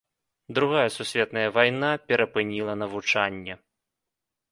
Другая сусветная вайна перапыніла навучанне.